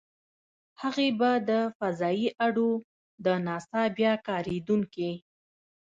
هغې به د فضايي اډو - د ناسا بیا کارېدونکې.